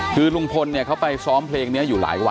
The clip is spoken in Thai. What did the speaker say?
คือลุงพลเนี่ยเขาไปซ้อมเพลงนี้อยู่หลายวัน